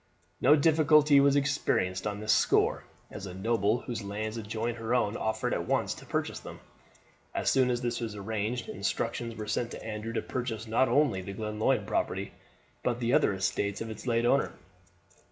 No difficulty was experienced on this score, as a noble whose lands adjoined her own offered at once to purchase them. As soon as this was arranged instructions were sent to Andrew to purchase not only the Glenlyon property, but the other estates of its late owner.